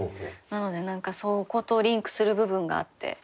なので何かそことリンクする部分があって。